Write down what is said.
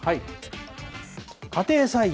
家庭菜園。